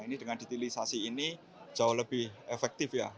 ini dengan detailisasi ini jauh lebih efektif ya